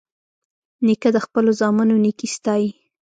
نیکه د خپلو زامنو نیکي ستايي.